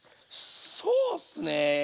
そうっすね。